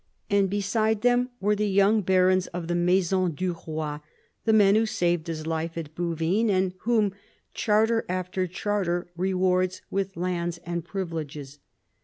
And beside them were the young barons of the maison du roi, the men who saved his life at Bouvines, and whom charter after charter rewards with lands and privileges.